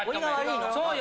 そうよ。